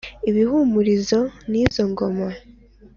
ibihumurizo ni zo ngoma